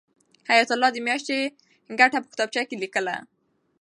حیات الله د میاشتې ګټه په کتابچه کې لیکله.